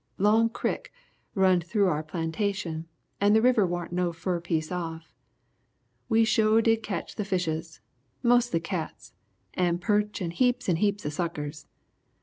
Long Crick runned through our plantation and the river warn't no fur piece off. We sho' did ketch the fishes, mostly cats, and perch and heaps and heaps of suckers.